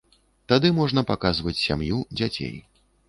Тады можна паказваць сям'ю, дзяцей.